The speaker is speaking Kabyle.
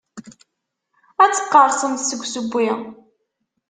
Ad teqqerṣemt seg usewwi.